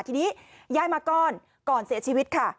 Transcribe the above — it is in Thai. ทีนี้ย้ายมาก้อนก่อนเสียชีวิตค่ะ